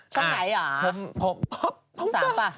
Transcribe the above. ชอบใครอ่ะ